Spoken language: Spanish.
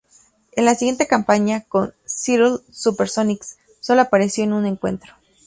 En la siguiente campaña, con Seattle SuperSonics, soló apareció en un encuentro.